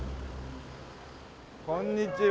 こんにちは。